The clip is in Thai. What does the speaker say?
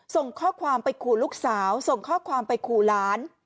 ส่งข้อความไปขู่ลูกสาวส่งข้อความไปขู่หลาน